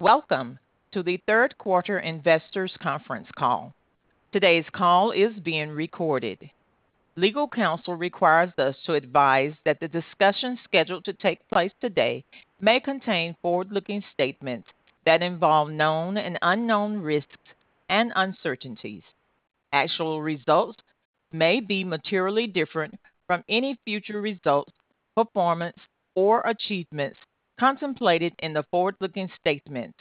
Welcome to the Q3 Investors Conference Call. Today's call is being recorded. Legal counsel requires us to advise that the discussion scheduled to take place today may contain forward-looking statements that involve known and unknown risks and uncertainties. Actual results may be materially different from any future results, performance, or achievements contemplated in the forward-looking statements.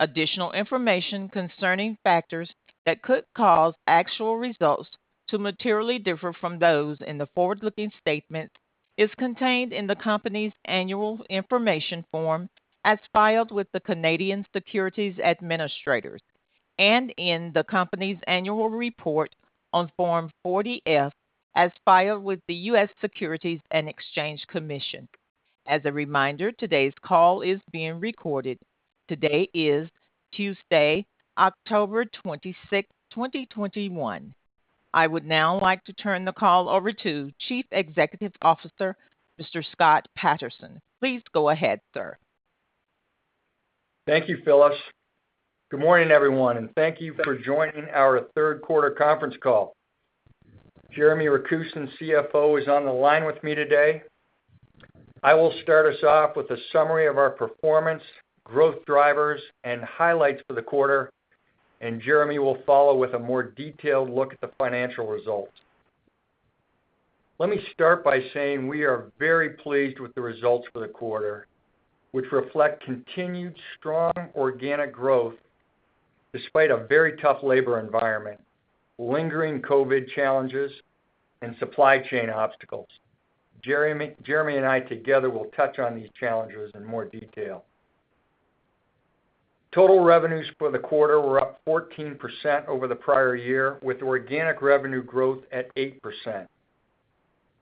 Additional information concerning factors that could cause actual results to materially differ from those in the forward-looking statement is contained in the company's annual information form as filed with the Canadian Securities Administrators and in the company's annual report on Form 40-F as filed with the U.S. Securities and Exchange Commission. As a reminder, today's call is being recorded. Today is Tuesday, October 26, 2021. I would now like to turn the call over to Chief Executive Officer, Mr. Scott Patterson. Please go ahead, sir. Thank you, Phyllis. Good morning, everyone, and thank you for joining our 3Q Conference Call. Jeremy Rakusin, CFO, is on the line with me today. I will start us off with a summary of our performance, growth drivers, and highlights for the quarter, and Jeremy will follow with a more detailed look at the financial results. Let me start by saying we are very pleased with the results for the quarter, which reflect continued strong organic growth despite a very tough labor environment, lingering COVID challenges, and supply chain obstacles. Jeremy and I together will touch on these challenges in more detail. Total revenues for the quarter were up 14% over the prior year, with organic revenue growth at 8%.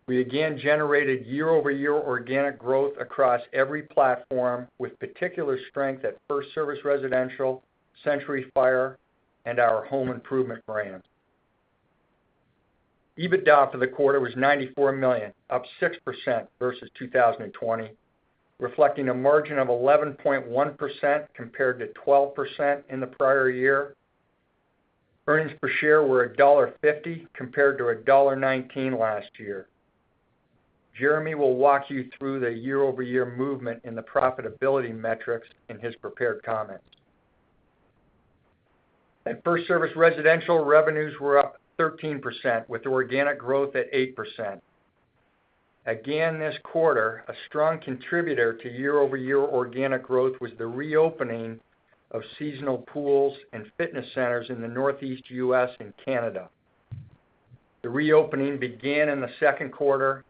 We again generated year-over-year organic growth across every platform, with particular strength at FirstService Residential, Century Fire Protection, and our home improvement brands. EBITDA for the quarter was $94 million, up 6% versus 2020, reflecting a margin of 11.1% compared to 12% in the prior year. Earnings per share were $1.50 compared to $1.19 last year. Jeremy will walk you through the year-over-year movement in the profitability metrics in his prepared comments. At FirstService Residential, revenues were up 13%, with organic growth at 8%. Again this quarter, a strong contributor to year-over-year organic growth was the reopening of seasonal pools and fitness centers in the Northeast U.S. and Canada. The reopening began in the second quarter,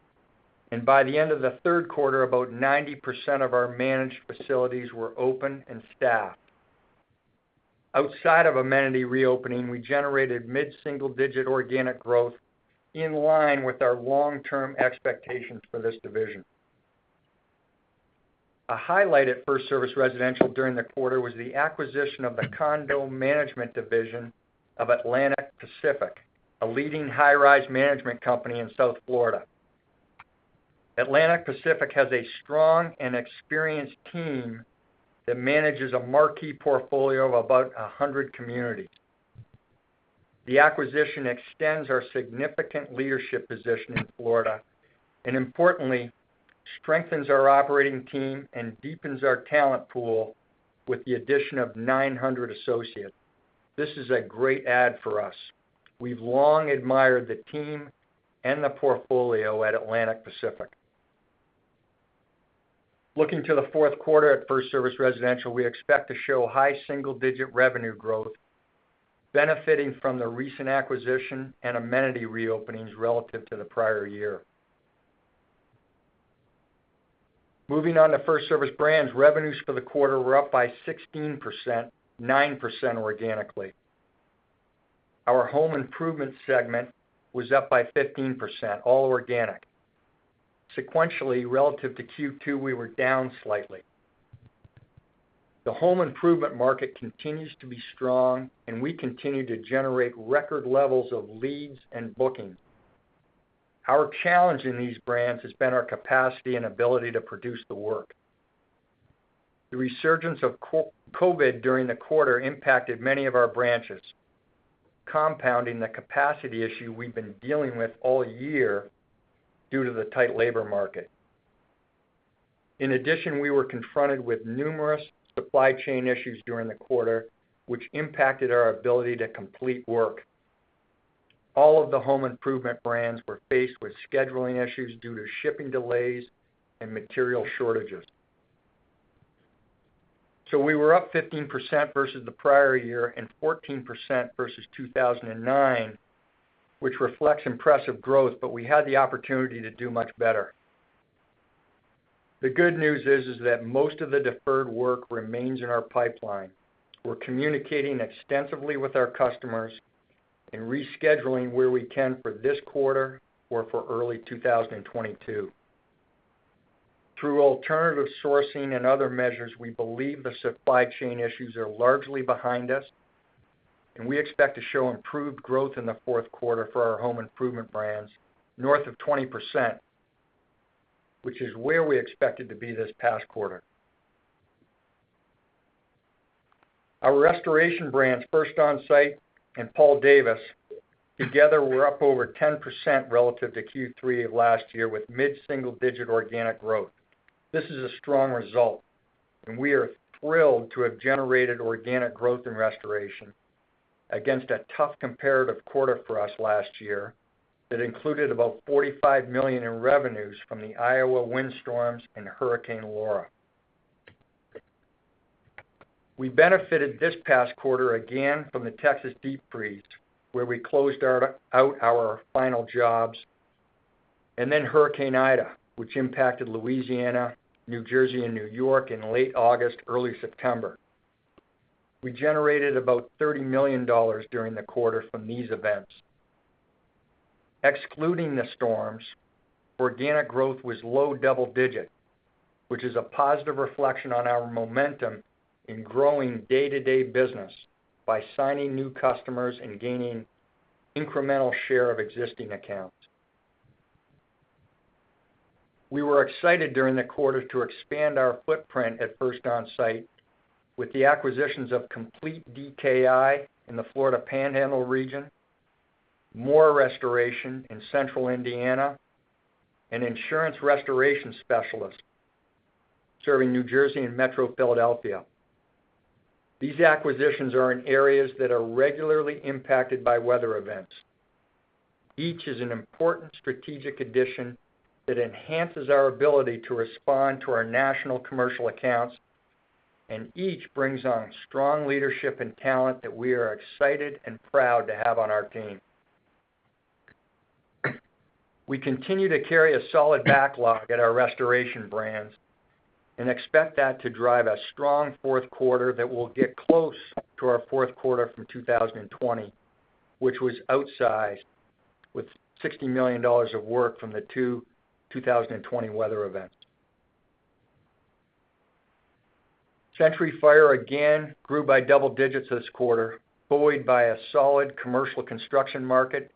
and by the end of the third quarter, about 90% of our managed facilities were open and staffed. Outside of amenity reopening, we generated mid-single-digit organic growth in line with our long-term expectations for this division. A highlight at FirstService Residential during the quarter was the acquisition of the condo management division of Atlantic Pacific, a leading high-rise management company in South Florida. Atlantic Pacific has a strong and experienced team that manages a marquee portfolio of about 100 communities. The acquisition extends our significant leadership position in Florida and importantly, strengthens our operating team and deepens our talent pool with the addition of 900 associates. This is a great add for us. We've long admired the team and the portfolio at Atlantic Pacific. Looking to the fourth quarter at FirstService Residential, we expect to show high single-digit revenue growth benefiting from the recent acquisition and amenity reopenings relative to the prior year. Moving on to FirstService Brands, revenues for the quarter were up by 16%, 9% organically. Our home improvement segment was up by 15%, all organic. Sequentially, relative to Q2, we were down slightly. The home improvement market continues to be strong, and we continue to generate record levels of leads and bookings. Our challenge in these brands has been our capacity and ability to produce the work. The resurgence of COVID during the quarter impacted many of our branches, compounding the capacity issue we've been dealing with all year due to the tight labor market. In addition, we were confronted with numerous supply chain issues during the quarter, which impacted our ability to complete work. All of the home improvement brands were faced with scheduling issues due to shipping delays and material shortages. We were up 15% versus the prior year and 14% versus 2009, which reflects impressive growth, but we had the opportunity to do much better. The good news is that most of the deferred work remains in our pipeline. We're communicating extensively with our customers and rescheduling where we can for this quarter or for early 2022. Through alternative sourcing and other measures, we believe the supply chain issues are largely behind us, and we expect to show improved growth in the fourth quarter for our home improvement brands north of 20%, which is where we expected to be this past quarter. Our restoration brand, First Onsite and Paul Davis, together were up over 10% relative to Q3 of last year with mid-single digit organic growth. This is a strong result, and we are thrilled to have generated organic growth in restoration against a tough comparative quarter for us last year that included about $45 million in revenues from the Iowa windstorms and Hurricane Laura. We benefited this past quarter again from the Texas deep freeze, where we closed out our final jobs, and then Hurricane Ida, which impacted Louisiana, New Jersey and New York in late August, early September. We generated about $30 million during the quarter from these events. Excluding the storms, organic growth was low double digit, which is a positive reflection on our momentum in growing day-to-day business by signing new customers and gaining incremental share of existing accounts. We were excited during the quarter to expand our footprint at First Onsite with the acquisitions of Complete DKI in the Florida Panhandle region, Moore Restoration in central Indiana, and Insurance Restoration Specialists, serving New Jersey and metro Philadelphia. These acquisitions are in areas that are regularly impacted by weather events. Each is an important strategic addition that enhances our ability to respond to our national commercial accounts, and each brings on strong leadership and talent that we are excited and proud to have on our team. We continue to carry a solid backlog at our restoration brands and expect that to drive a strong fourth quarter that will get close to our fourth quarter from 2020, which was outsized with $60 million of work from the two 2020 weather events. Century Fire Protection again grew by double digits this quarter, buoyed by a solid commercial construction market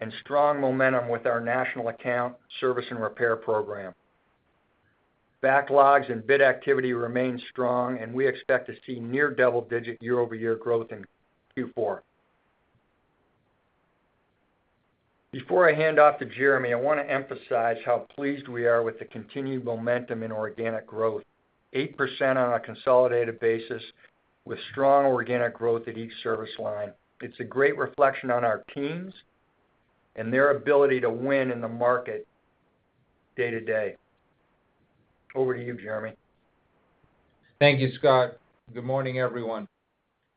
and strong momentum with our national account service and repair program. Backlogs and bid activity remain strong, and we expect to see near double-digit year-over-year growth in Q4. Before I hand off to Jeremy, I want to emphasize how pleased we are with the continued momentum in organic growth, 8% on a consolidated basis with strong organic growth at each service line. It's a great reflection on our teams and their ability to win in the market day to day. Over to you, Jeremy. Thank you, Scott. Good morning, everyone.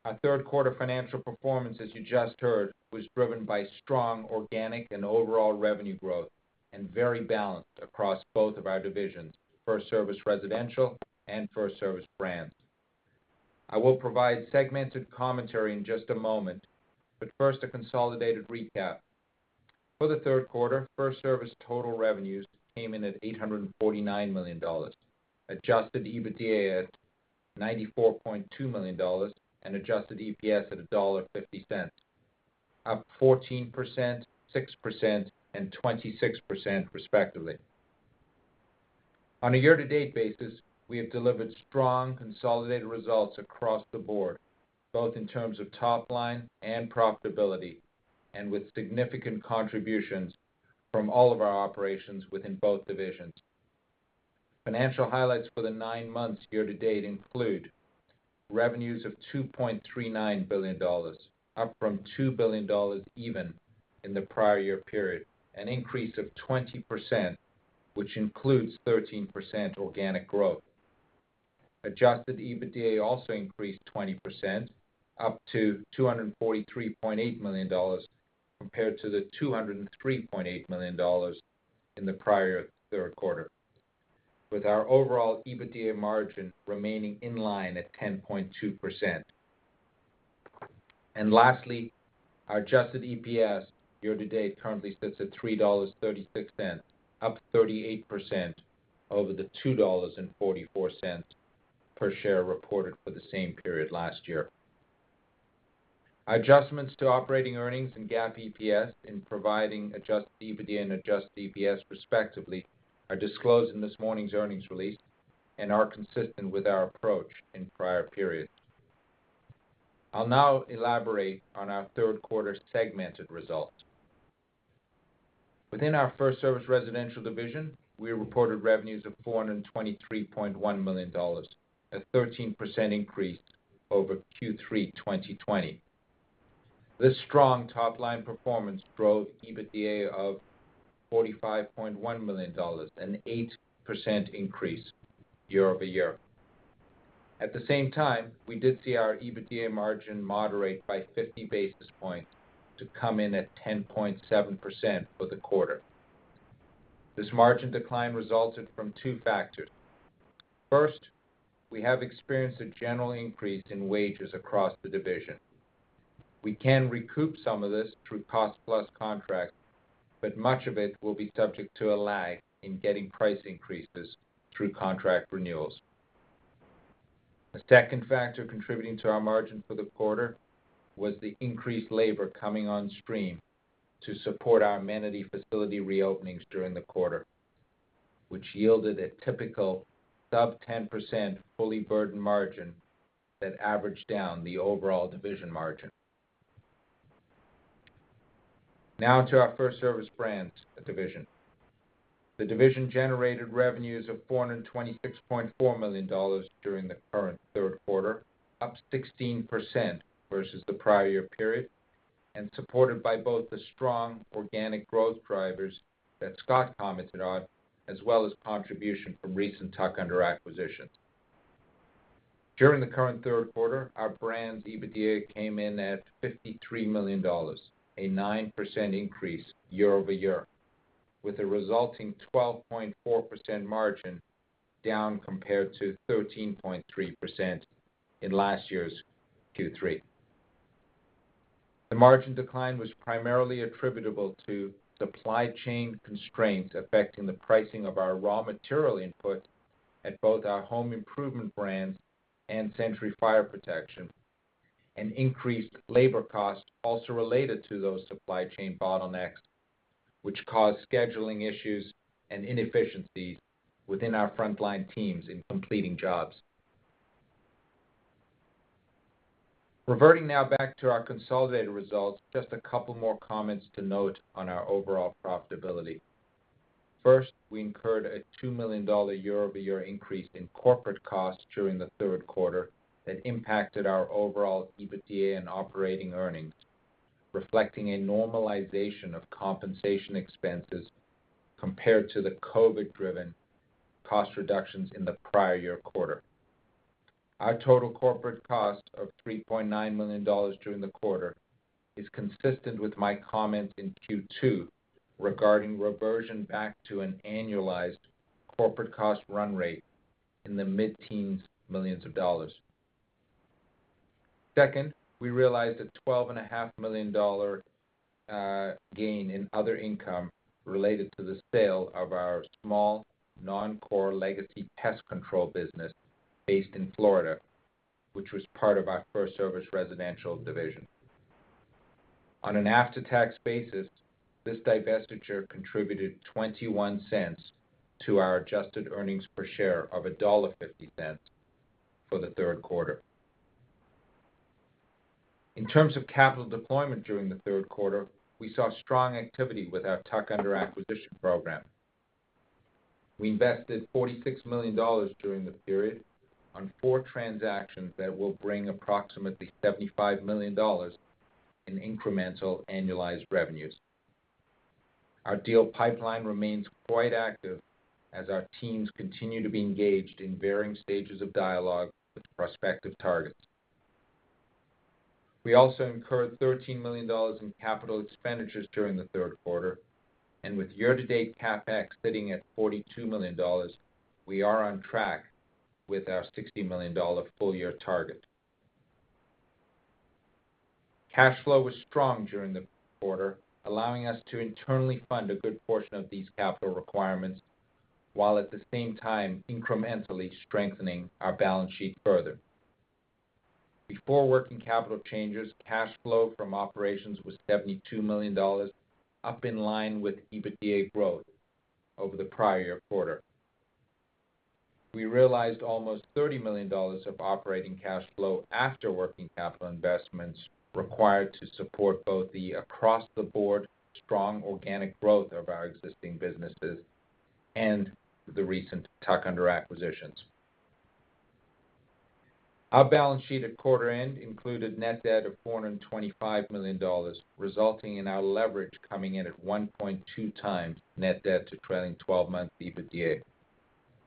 Our third quarter financial performance, as you just heard, was driven by strong organic and overall revenue growth and very balanced across both of our divisions, FirstService Residential and FirstService Brands. I will provide segmented commentary in just a moment, but first, a consolidated recap. For the third quarter, FirstService total revenues came in at $849 million, adjusted EBITDA at $94.2 million, and adjusted EPS at $1.50, up 14%, 6%, and 26% respectively. On a year-to-date basis, we have delivered strong consolidated results across the board, both in terms of top line and profitability, and with significant contributions from all of our operations within both divisions. Financial highlights for the nine months year to date include revenues of $2.39 billion, up from $2 billion even in the prior year period, an increase of 20%, which includes 13% organic growth. Adjusted EBITDA also increased 20%, up to $243.8 million compared to the $203.8 million in the prior third quarter, with our overall EBITDA margin remaining in line at 10.2%. Lastly, our adjusted EPS year to date currently sits at $3.36, up 38% over the $2.44 per share reported for the same period last year. Our adjustments to operating earnings and GAAP EPS in providing adjusted EBITDA and adjusted EPS respectively are disclosed in this morning's earnings release and are consistent with our approach in prior periods. I'll now elaborate on our third quarter segmented results. Within our FirstService Residential division, we reported revenues of $423.1 million, a 13% increase over Q3 2020. This strong top-line performance drove EBITDA of $45.1 million, an 8% increase year-over-year. At the same time, we did see our EBITDA margin moderate by 50 basis points to come in at 10.7% for the quarter. This margin decline resulted from two factors. First, we have experienced a general increase in wages across the division. We can recoup some of this through cost plus contracts, but much of it will be subject to a lag in getting price increases through contract renewals. The second factor contributing to our margin for the quarter was the increased labor coming on stream to support our Manatee facility reopenings during the quarter, which yielded a typical sub-10% fully burdened margin that averaged down the overall division margin. Now to our FirstService Brands division. The division generated revenues of $426.4 million during the current third quarter, up 16% versus the prior year period, and supported by both the strong organic growth drivers that Scott commented on, as well as contribution from recent tuck-under acquisitions. During the current third quarter, our brands EBITDA came in at $53 million, a 9% increase year-over-year, with a resulting 12.4% margin, down compared to 13.3% in last year's Q3. The margin decline was primarily attributable to supply chain constraints affecting the pricing of our raw material inputs at both our home improvement brands and Century Fire Protection. Increased labor costs also related to those supply chain bottlenecks, which caused scheduling issues and inefficiencies within our frontline teams in completing jobs. Reverting now back to our consolidated results, just a couple more comments to note on our overall profitability. First, we incurred a $2 million year-over-year increase in corporate costs during the third quarter that impacted our overall EBITDA and operating earnings, reflecting a normalization of compensation expenses compared to the COVID driven cost reductions in the prior year quarter. Our total corporate cost of $3.9 million during the quarter is consistent with my comment in Q2 regarding reversion back to an annualized corporate cost run rate in the mid-teens millions of dollars. Second, we realized a $12.5 million gain in other income related to the sale of our small non-core legacy pest control business based in Florida, which was part of our FirstService Residential division. On an after-tax basis, this divestiture contributed $0.21 to our adjusted earnings per share of $1.50 for the third quarter. In terms of capital deployment during the third quarter, we saw strong activity with our tuck-under acquisition program. We invested $46 million during the period on four transactions that will bring approximately $75 million in incremental annualized revenues. Our deal pipeline remains quite active as our teams continue to be engaged in varying stages of dialogue with prospective targets. We also incurred $13 million in capital expenditures during the third quarter, and with year-to-date CapEx sitting at $42 million, we are on track with our $60 million full year target. Cash flow was strong during the quarter, allowing us to internally fund a good portion of these capital requirements, while at the same time incrementally strengthening our balance sheet further. Before working capital changes, cash flow from operations was $72 million, up in line with EBITDA growth over the prior year quarter. We realized almost $30 million of operating cash flow after working capital investments required to support both the across-the-board strong organic growth of our existing businesses and the recent tuck-under acquisitions. Our balance sheet at quarter end included net debt of $425 million, resulting in our leverage coming in at 1.2 times net debt to trailing 12 month EBITDA,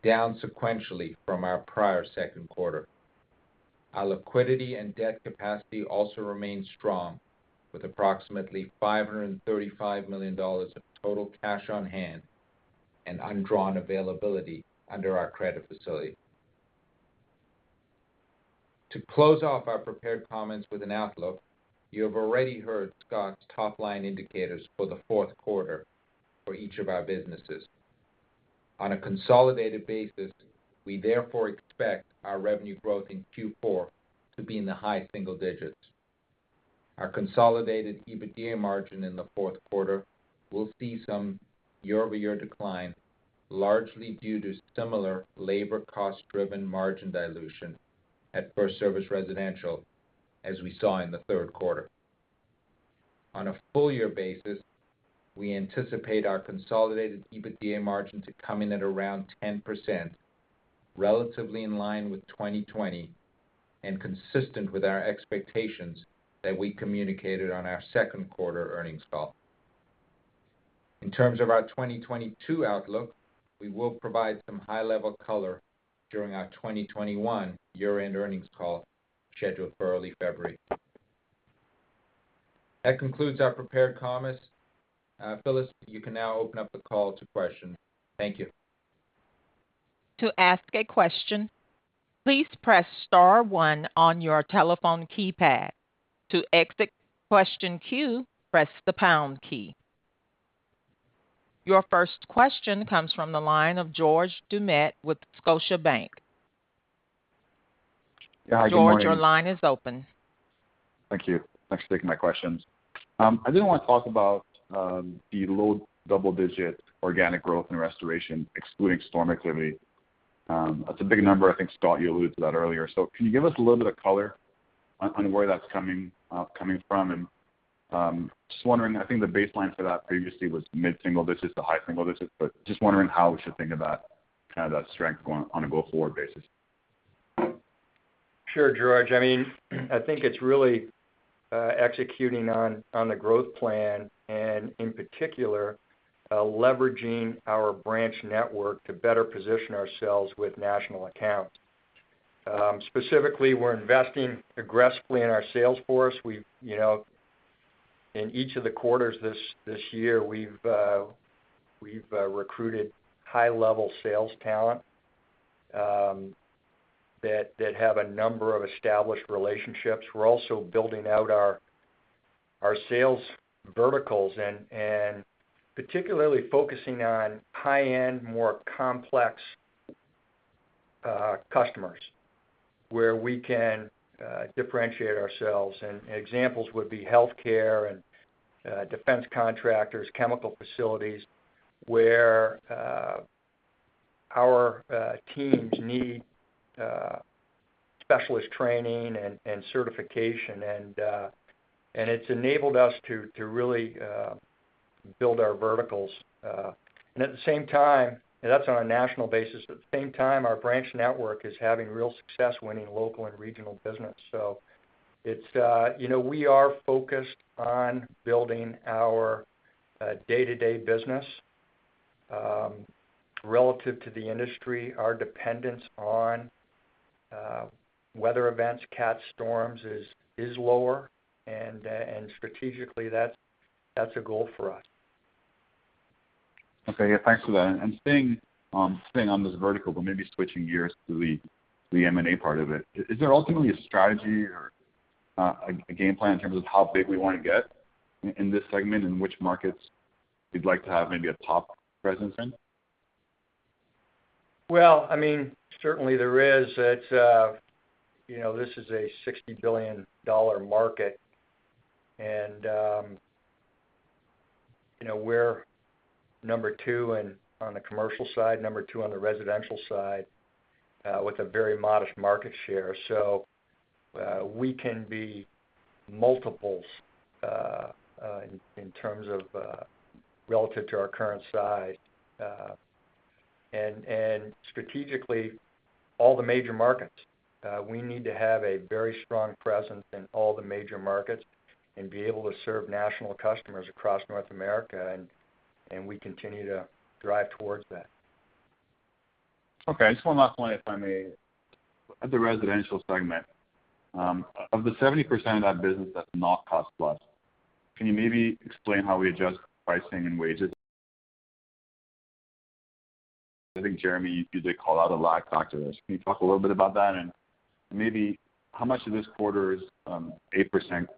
down sequentially from our prior second quarter. Our liquidity and debt capacity also remains strong, with approximately $535 million of total cash on hand and undrawn availability under our credit facility. To close off our prepared comments with an outlook, you have already heard Scott's top-line indicators for the fourth quarter for each of our businesses. On a consolidated basis, we therefore expect our revenue growth in Q4 to be in the high single digits. Our consolidated EBITDA margin in the fourth quarter will see some year-over-year decline, largely due to similar labor cost driven margin dilution at FirstService Residential, as we saw in the third quarter. On a full year basis, we anticipate our consolidated EBITDA margin to come in at around 10%, relatively in line with 2020 and consistent with our expectations that we communicated on our Q2 Earnings Call. In terms of our 2022 outlook, we will provide some high-level color during our 2021 year-end earnings call scheduled for early February. That concludes our prepared comments. Phyllis, you can now open up the call to questions. Thank you. Your first question comes from the line of George Doumet with Scotiabank. Yeah. Good morning. George, your line is open. Thank you. Thanks for taking my questions. I did want to talk about the low double-digit organic growth in restoration, excluding storm activity. That's a big number. I think, Scott, you alluded to that earlier. Can you give us a little bit of color on where that's coming from? Just wondering, I think the baseline for that previously was mid-single digits to high single digits, but just wondering how we should think about kind of that strength going on a go-forward basis. Sure, George. I mean, I think it's really executing on the growth plan and in particular leveraging our branch network to better position ourselves with national accounts. Specifically, we're investing aggressively in our sales force. We've you know in each of the quarters this year we've recruited high-level sales talent that have a number of established relationships. We're also building out our sales verticals and particularly focusing on high-end more complex customers where we can differentiate ourselves. Examples would be healthcare and defense contractors, chemical facilities, where our teams need specialist training and certification. It's enabled us to really build our verticals. At the same time that's on a national basis. At the same time, our branch network is having real success winning local and regional business. It's you know, we are focused on building our day-to-day business. Relative to the industry, our dependence on weather events, cat storms is lower. Strategically, that's a goal for us. Okay. Yeah, thanks for that. Staying on this vertical, but maybe switching gears to the M&A part of it. Is there ultimately a strategy or a game plan in terms of how big we wanna get in this segment and which markets you'd like to have maybe a top presence in? Well, I mean, certainly there is. It's, you know, this is a $60 billion market. You know, we're number two on the commercial side, number two on the residential side with a very modest market share. We can be multiples in terms of relative to our current size. Strategically, we need to have a very strong presence in all the major markets and be able to serve national customers across North America, and we continue to drive towards that. Okay. Just one last one, if I may. At the residential segment, of the 70% of that business that's not cost plus, can you maybe explain how we adjust pricing and wages? I think, Jeremy, you did call out a lag factor risk. Can you talk a little bit about that? Maybe how much of this quarter's 8%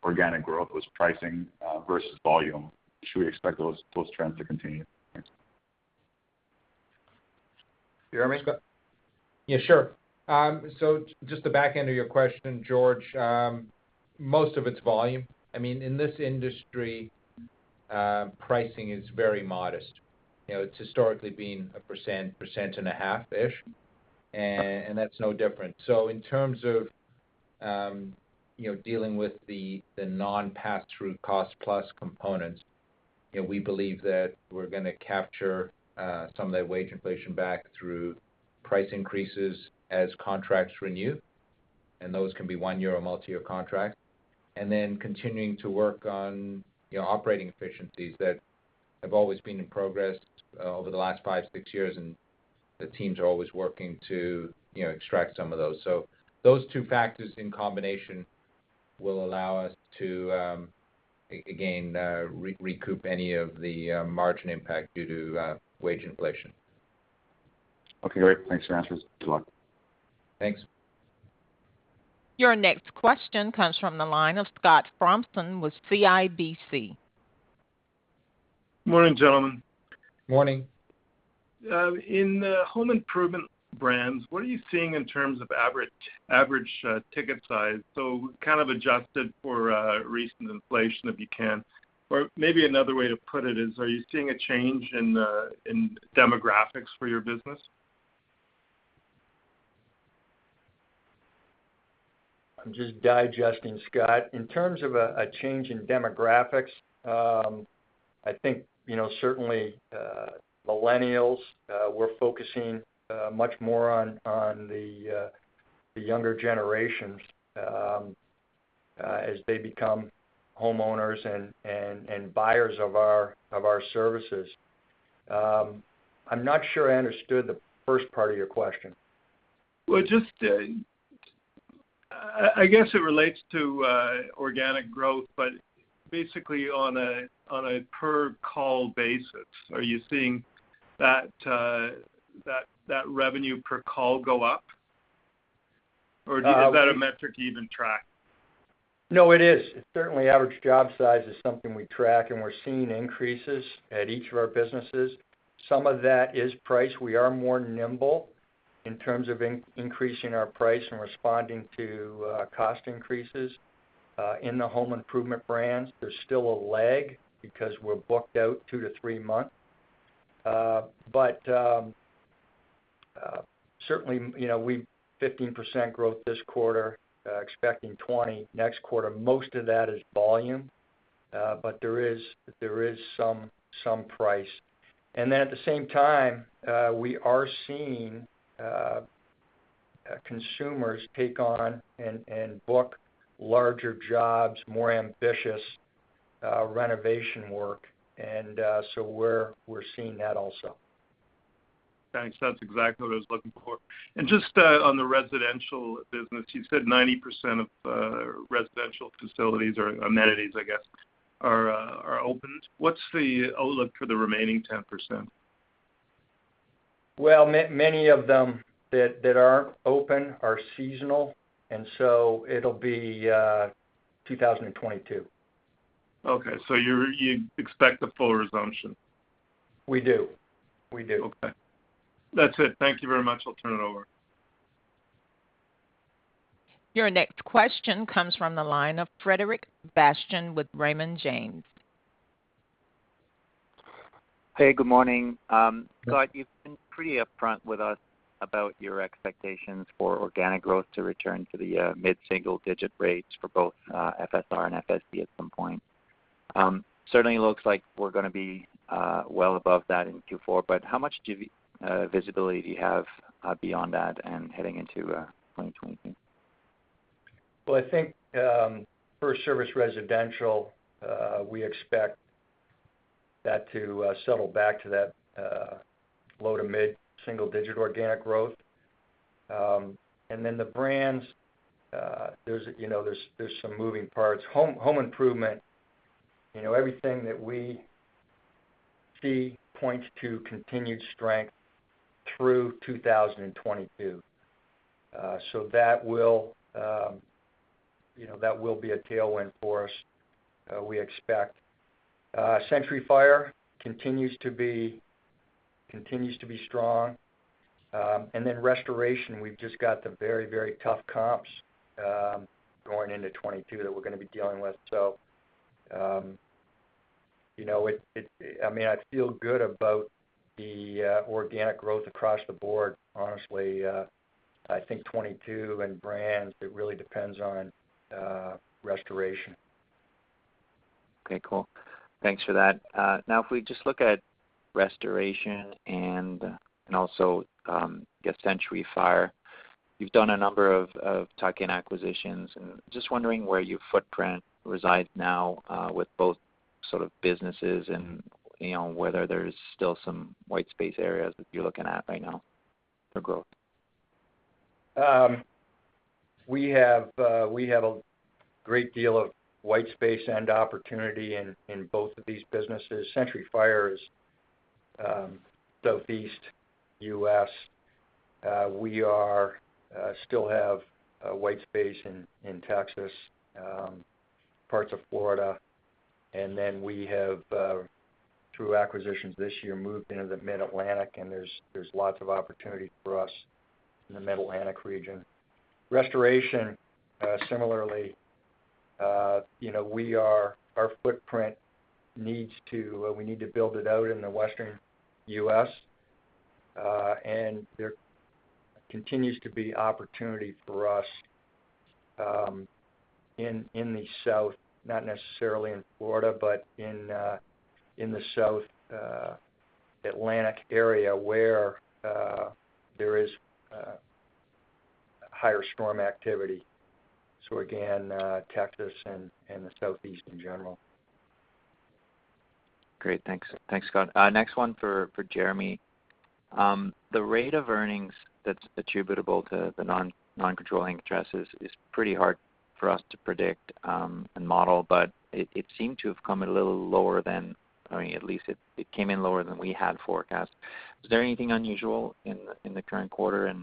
organic growth was pricing versus volume? Should we expect those trends to continue? Thanks. Jeremy? Yeah, sure. So just the back end of your question, George, most of it's volume. I mean, in this industry, pricing is very modest. You know, it's historically been 1%, 1.5%-ish, and that's no different. So in terms of, you know, dealing with the non-pass-through cost plus components, you know, we believe that we're gonna capture some of that wage inflation back through price increases as contracts renew, and those can be one-year or multi-year contracts. Then continuing to work on, you know, operating efficiencies that have always been in progress over the last five, six years, and the teams are always working to, you know, extract some of those. So those two factors in combination will allow us to again recoup any of the margin impact due to wage inflation. Okay, great. Thanks for your answers. Good luck. Thanks. Your next question comes from the line of Scott Fletcher with CIBC. Morning, gentlemen. Morning. In the home improvement brands, what are you seeing in terms of average ticket size? Kind of adjusted for recent inflation, if you can. Or maybe another way to put it is, are you seeing a change in demographics for your business? I'm just digesting, Scott. In terms of a change in demographics, I think, you know, certainly, millennials, we're focusing much more on the younger generations as they become homeowners and buyers of our services. I'm not sure I understood the first part of your question. Well, just, I guess it relates to organic growth. Basically, on a per call basis, are you seeing that revenue per call go up? Or is that a metric you even track? No, it is. Certainly average job size is something we track, and we're seeing increases at each of our businesses. Some of that is price. We are more nimble in terms of increasing our price and responding to cost increases. In the home improvement brands, there's still a lag because we're booked out two to three months. Certainly, you know, 15% growth this quarter, expecting 20 next quarter, most of that is volume, but there is some price. Then at the same time, we are seeing consumers take on and book larger jobs, more ambitious renovation work. We're seeing that also. Thanks. That's exactly what I was looking for. Just on the residential business, you said 90% of residential facilities or amenities, I guess, are open. What's the outlook for the remaining 10%? Well, many of them that aren't open are seasonal, and so it'll be 2022. You expect a full resumption? We do. Okay. That's it. Thank you very much. I'll turn it over. Your next question comes from the line of Frédéric Bastien with Raymond James. Hey, good morning. Yeah. Scott, you've been pretty upfront with us about your expectations for organic growth to return to the mid-single digit rates for both FSR and FSB at some point. Certainly looks like we're gonna be well above that in Q4, but how much visibility do you have beyond that and heading into 2020? Well, I think for FirstService Residential, we expect that to settle back to that low- to mid-single-digit organic growth. Then the brands, you know, there are some moving parts. Home improvement, you know, everything that we see points to continued strength through 2022. So that will be a tailwind for us, we expect. Century Fire continues to be strong. Then restoration, we've just got the very tough comps going into 2022 that we're gonna be dealing with. You know, I mean, I feel good about the organic growth across the board, honestly. I think 2022 and brands, it really depends on restoration. Okay, cool. Thanks for that. Now, if we just look at restoration and Century Fire. You've done a number of tuck-in acquisitions. Just wondering where your footprint resides now with both sort of businesses and, you know, whether there's still some white space areas that you're looking at right now for growth. We have a great deal of white space and opportunity in both of these businesses. Century Fire is Southeast U.S. We still have a white space in Texas, parts of Florida. We have through acquisitions this year moved into the Mid-Atlantic, and there's lots of opportunity for us in the Mid-Atlantic region. Restoration, similarly, you know, our footprint needs to be built out in the Western U.S., and there continues to be opportunity for us in the South, not necessarily in Florida, but in the South Atlantic area where there is higher storm activity. Again, Texas and the Southeast in general. Great. Thanks. Thanks, Scott. Next one for Jeremy. The rate of earnings that's attributable to the non-controlling interests is pretty hard for us to predict and model, but it seemed to have come a little lower than, I mean, at least it came in lower than we had forecast. Is there anything unusual in the current quarter?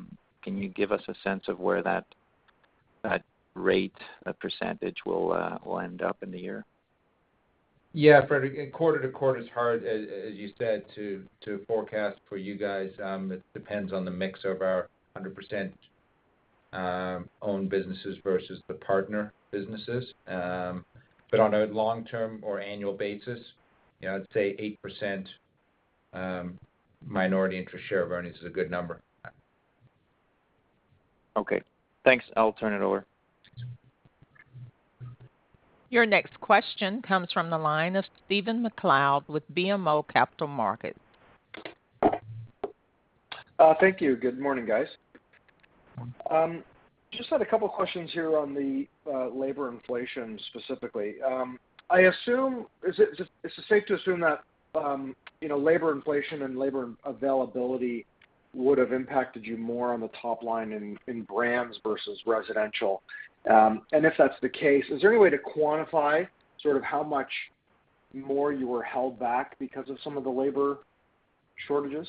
Can you give us a sense of where that rate of percentage will end up in the year? Yeah, Frederic, quarter to quarter is hard, as you said, to forecast for you guys. It depends on the mix of our 100% owned businesses versus the partner businesses. On a long-term or annual basis, you know, I'd say 8% minority interest share of earnings is a good number. Okay, thanks. I'll turn it over. Your next question comes from the line of Stephen MacLeod with BMO Capital Markets. Thank you. Good morning, guys. Just had a couple of questions here on the labor inflation specifically. I assume, is it safe to assume that you know, labor inflation and labor availability would have impacted you more on the top line in brands versus residential? If that's the case, is there any way to quantify sort of how much more you were held back because of some of the labor shortages?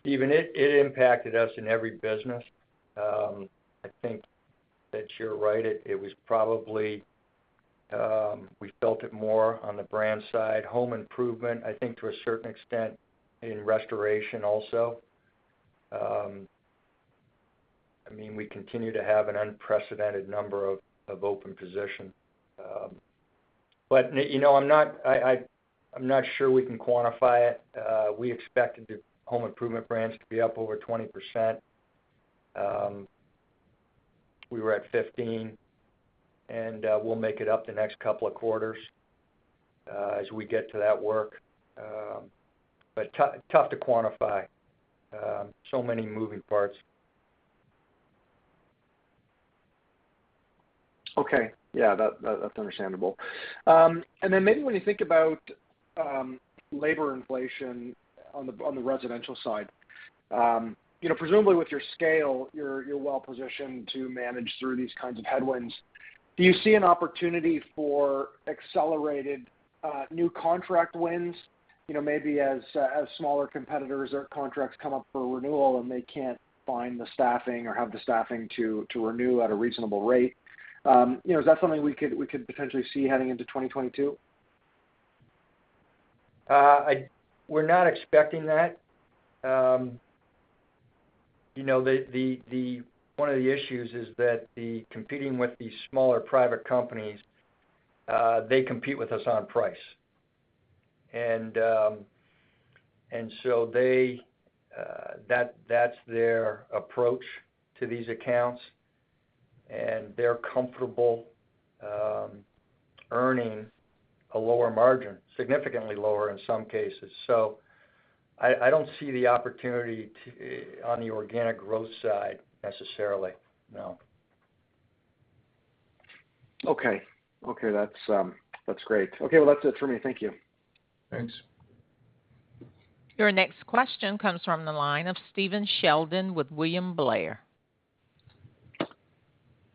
Stephen, it impacted us in every business. I think that you're right. It was probably we felt it more on the brand side, home improvement, I think to a certain extent in restoration also. I mean, we continue to have an unprecedented number of open positions. You know, I'm not sure we can quantify it. We expected the home improvement brands to be up over 20%. We were at 15%, and we'll make it up the next couple of quarters as we get to that work. Tough to quantify, so many moving parts. Okay. Yeah. That's understandable. Maybe when you think about labor inflation on the residential side, you know, presumably with your scale, you're well positioned to manage through these kinds of headwinds. Do you see an opportunity for accelerated new contract wins, you know, maybe as smaller competitors or contracts come up for renewal and they can't find the staffing or have the staffing to renew at a reasonable rate? You know, is that something we could potentially see heading into 2022? We're not expecting that. You know, one of the issues is that competing with the smaller private companies, they compete with us on price. That's their approach to these accounts, and they're comfortable earning a lower margin, significantly lower in some cases. I don't see the opportunity on the organic growth side necessarily. No. Okay. That's great. Okay. Well, that's it for me. Thank you. Thanks. Your next question comes from the line of Stephen Sheldon with William Blair.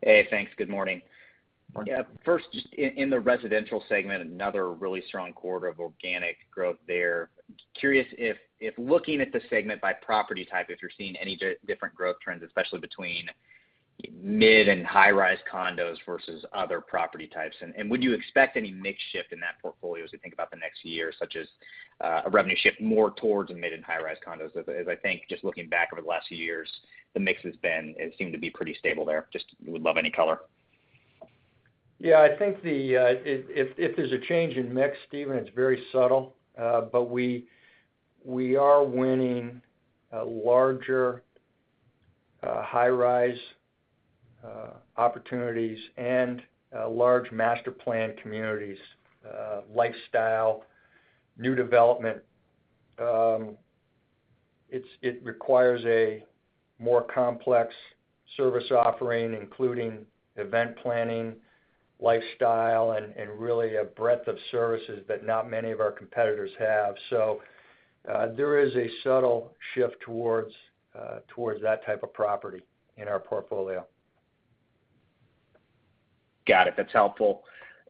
Hey, thanks. Good morning. Morning. Yeah. First, in the residential segment, another really strong quarter of organic growth there. I'm curious if looking at the segment by property type, if you're seeing any different growth trends, especially between mid- and high-rise condos versus other property types? Would you expect any mix shift in that portfolio as we think about the next year, such as a revenue shift more towards the mid- and high-rise condos? As I think just looking back over the last few years, the mix has been. It seemed to be pretty stable there. I just would love any color. Yeah. I think if there's a change in mix, Stephen, it's very subtle. But we are winning larger high-rise opportunities and large master planned communities, lifestyle new development. It requires a more complex service offering, including event planning, lifestyle, and really a breadth of services that not many of our competitors have. There is a subtle shift towards that type of property in our portfolio. Got it. That's helpful.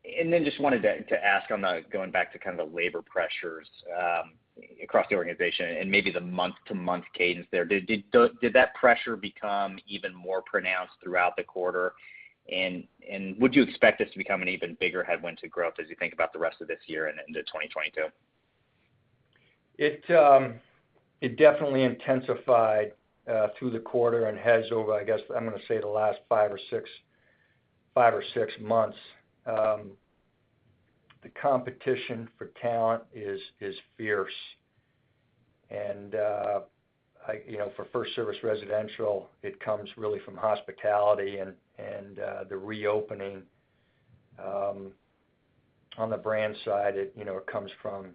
Just wanted to ask on the going back to kind of the labor pressures across the organization and maybe the month-to-month cadence there. Did that pressure become even more pronounced throughout the quarter? Would you expect this to become an even bigger headwind to growth as you think about the rest of this year and into 2022? It definitely intensified through the quarter and has over, I guess, I'm gonna say the last 5 or 6 months. The competition for talent is fierce. You know, for FirstService Residential, it comes really from hospitality and the reopening. On the brand side, you know, it comes from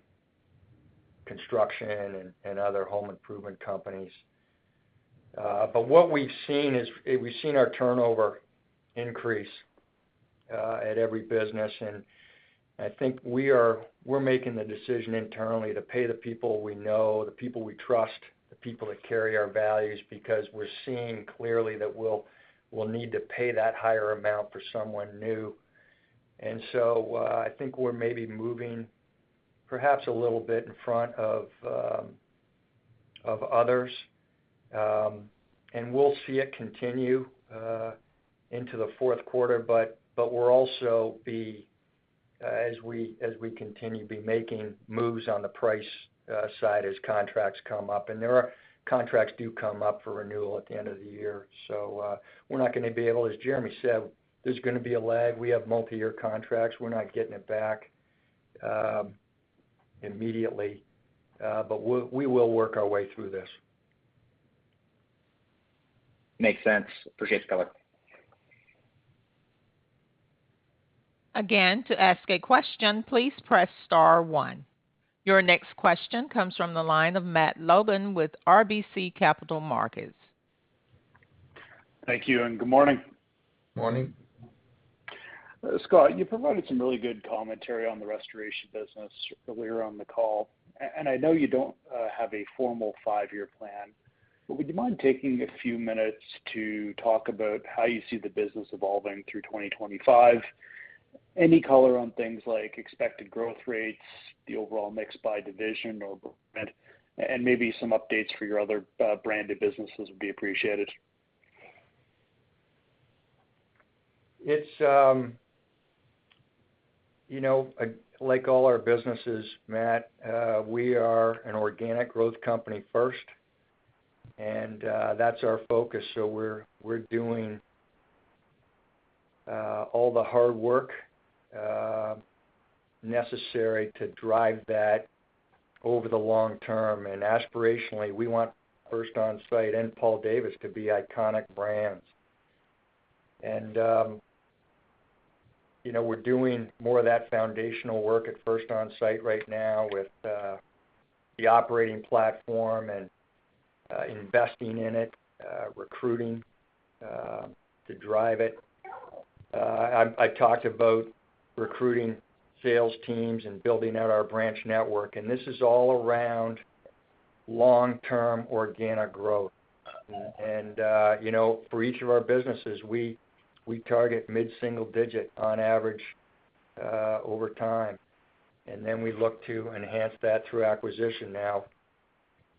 construction and other home improvement companies. What we've seen is our turnover increase at every business. I think we're making the decision internally to pay the people we know, the people we trust, the people that carry our values, because we're seeing clearly that we'll need to pay that higher amount for someone new. I think we're maybe moving perhaps a little bit in front of others, and we'll see it continue into the fourth quarter. We'll also be as we continue to be making moves on the price side as contracts come up, and contracts do come up for renewal at the end of the year. We're not gonna be able, as Jeremy said, there's gonna be a lag. We have multi-year contracts. We're not getting it back immediately. We will work our way through this. Makes sense. Appreciate the color. Again, to ask a question, please press star one. Your next question comes from the line of Matt Logan with RBC Capital Markets. Thank you and good morning. Morning. Scott, you provided some really good commentary on the restoration business earlier on the call. I know you don't have a formal five-year plan. Would you mind taking a few minutes to talk about how you see the business evolving through 2025? Any color on things like expected growth rates, the overall mix by division or brand, and maybe some updates for your other branded businesses would be appreciated. It's, you know, like all our businesses, Matt, we are an organic growth company first, and that's our focus. We're doing all the hard work necessary to drive that over the long term. Aspirationally, we want First Onsite and Paul Davis to be iconic brands. You know, we're doing more of that foundational work at First Onsite right now with the operating platform and investing in it, recruiting to drive it. I talked about recruiting sales teams and building out our branch network, and this is all around long-term organic growth. You know, for each of our businesses, we target mid-single digit on average over time. We look to enhance that through acquisition now.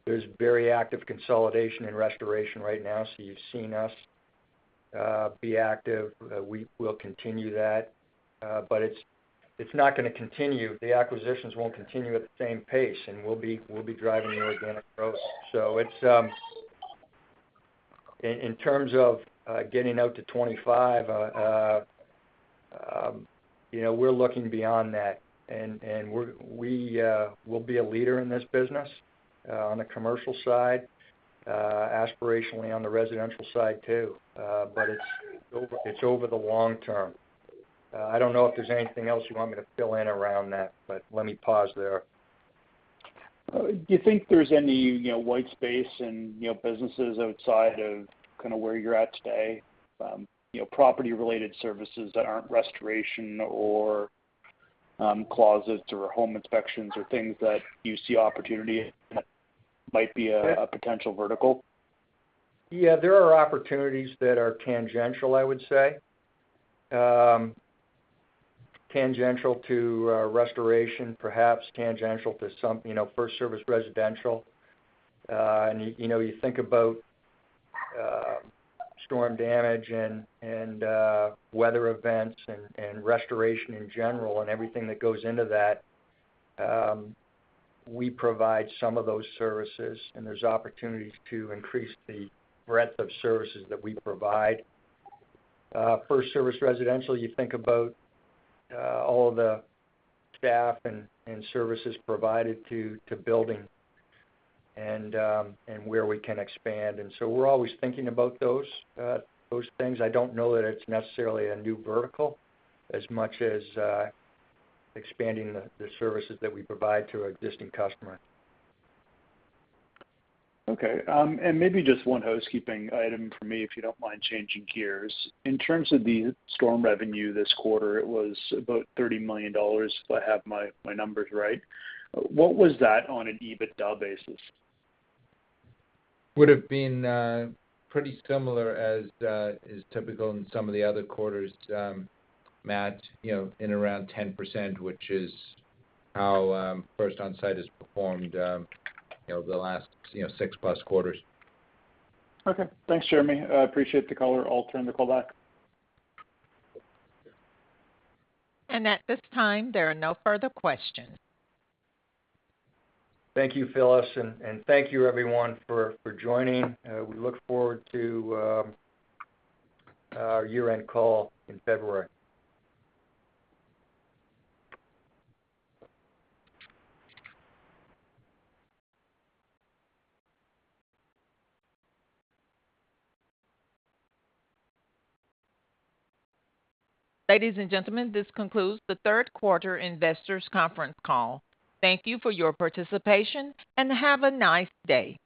There's very active consolidation in restoration right now. You've seen us be active. We will continue that. It's not gonna continue. The acquisitions won't continue at the same pace, and we'll be driving the organic growth. In terms of getting out to 25, you know, we're looking beyond that and we will be a leader in this business on the commercial side, aspirationally on the residential side too. It's over the long term. I don't know if there's anything else you want me to fill in around that, but let me pause there. Do you think there's any, you know, white space and, you know, businesses outside of kinda where you're at today, you know, property-related services that aren't restoration or, closets or home inspections or things that you see opportunity that might be a potential vertical? Yeah, there are opportunities that are tangential, I would say. Tangential to restoration, perhaps tangential to some, you know, FirstService Residential. You know, you think about storm damage and weather events and restoration in general and everything that goes into that, we provide some of those services, and there's opportunities to increase the breadth of services that we provide. FirstService Residential, you think about all the staff and services provided to building and where we can expand. We're always thinking about those things. I don't know that it's necessarily a new vertical as much as expanding the services that we provide to our existing customers. Okay. Maybe just one housekeeping item for me, if you don't mind changing gears. In terms of the storm revenue this quarter, it was about $30 million, if I have my numbers right. What was that on an EBITDA basis? Would have been pretty similar as is typical in some of the other quarters, Matt, you know, in around 10%, which is how First Onsite has performed, you know, the last 6+ quarters. Okay. Thanks, Jeremy. I appreciate the color. I'll turn the call back. At this time, there are no further questions. Thank you, Phyllis. Thank you everyone for joining. We look forward to our year-end call in February. Ladies and gentlemen, this concludes the Q3 Investors Conference Call. Thank you for your participation, and have a nice day.